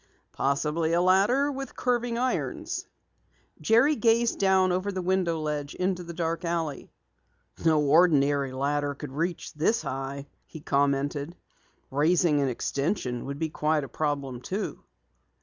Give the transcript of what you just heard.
"Possibly a ladder with curving irons." Jerry gazed down over the window ledge into the dark alley. "No ordinary ladder could reach this high," he commented. "Raising an extension would be quite a problem, too."